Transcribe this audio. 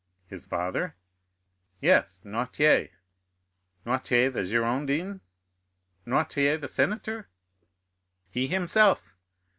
"His father?" "Yes, Noirtier." "Noirtier the Girondin?—Noirtier the senator?" "He himself."